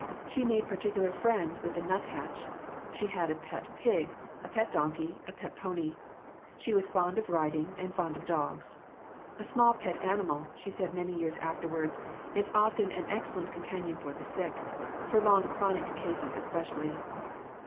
She made particular friends with the nuthatch. She had a pet pig, a pet donkey, a pet pony. She was fond of riding, and fond of dogs. "A small pet animal," she said many years afterwards, "is often an excellent companion for the sick, for long chronic cases especially."